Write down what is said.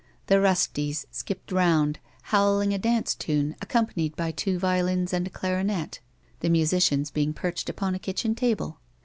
The rustics skipped round, howling a dance tune, accom panied by two violins and a clarionet, the musicians being perched upon a kitchen table.